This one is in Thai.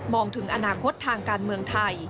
ถึงอนาคตทางการเมืองไทย